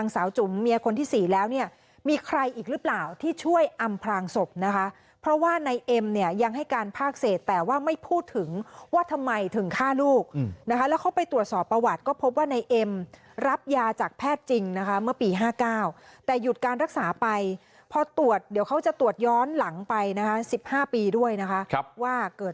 สาวจุ๋มเมียคนที่๔แล้วเนี่ยมีใครอีกหรือเปล่าที่ช่วยอำพลางศพนะคะเพราะว่าในเอ็มเนี่ยยังให้การภาคเศษแต่ว่าไม่พูดถึงว่าทำไมถึงฆ่าลูกนะคะแล้วเขาไปตรวจสอบประวัติก็พบว่าในเอ็มรับยาจากแพทย์จริงนะคะเมื่อปี๕๙แต่หยุดการรักษาไปพอตรวจเดี๋ยวเขาจะตรวจย้อนหลังไปนะคะ๑๕ปีด้วยนะคะว่าเกิด